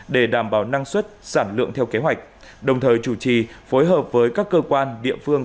để đảm bảo năng suất sản lượng theo kế hoạch đồng thời chủ trì phối hợp với các cơ quan địa phương